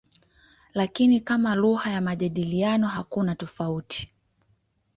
Lakini kama lugha ya majadiliano hakuna tofauti.